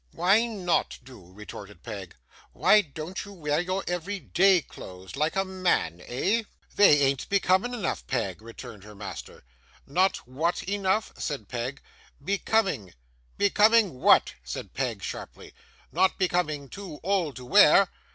'Why not do?' retorted Peg. 'Why don't you wear your every day clothes, like a man eh?' 'They an't becoming enough, Peg,' returned her master. 'Not what enough?' said Peg. 'Becoming.' 'Becoming what?' said Peg, sharply. 'Not becoming too old to wear?